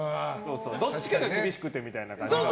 どっちかが厳しくてみたいな感じでね。